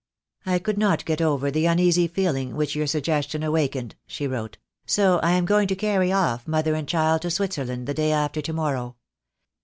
"I could not get over the uneasy feeling which your suggestion awakened," she wrote, "so I am going to carry off mother and child to Switzerland the day after to morrow.